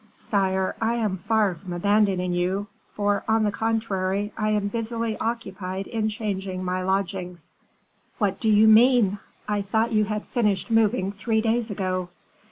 "Sire, I am far from abandoning you, for, on the contrary, I am busily occupied in changing my lodgings." "What do you mean? I thought you had finished moving three days ago."